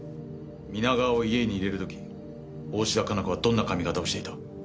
皆川を家に入れる時大信田加奈子はどんな髪型をしていた？